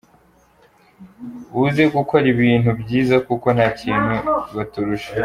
buze gukora ibintu byiza kuko nta kintu baturusha”.